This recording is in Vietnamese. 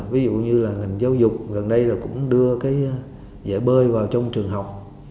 ví dụ như là ngành giáo dục gần đây cũng đưa dễ bơi vào trong trường học